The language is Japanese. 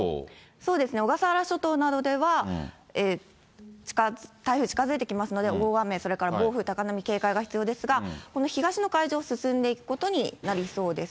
そうですね、小笠原諸島などでは、台風、近づいてきますので、大雨、それから暴風、高波、警戒が必要ですが、この東の海上を進んでいくことになりそうです。